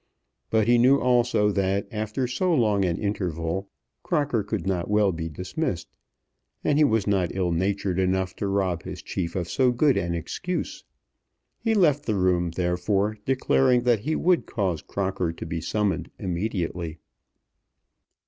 But he knew also that after so long an interval Crocker could not well be dismissed, and he was not ill natured enough to rob his chief of so good an excuse. He left the room, therefore, declaring that he would cause Crocker to be summoned immediately.